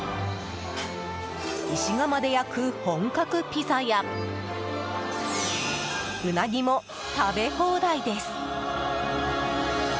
石窯で焼く本格ピザやウナギも食べ放題です。